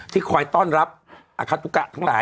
ที่คอยต้อนรับอาคาตุกะทั้งหลาย